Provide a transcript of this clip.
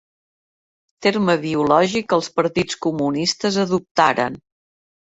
Terme biològic que els partits comunistes adoptaren.